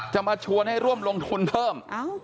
จะมาชวนให้ร่วมลงทุนเพิ่ม